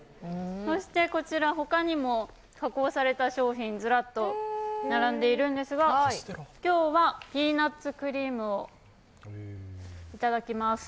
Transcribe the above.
そしてこちら、他にも加工された商品ズラッと並んでいるんですが、今日はピーナッツクリームをいただきます。